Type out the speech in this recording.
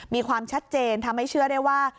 มีความชัดเจนทำให้เชื่อได้ว่า